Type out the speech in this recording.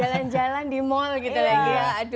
jalan jalan di mall gitu lagi ya